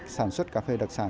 sản xuất cà phê đặc sản